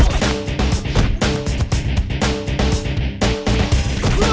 kau harus hafal penuh ya